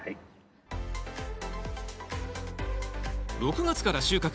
６月から収穫。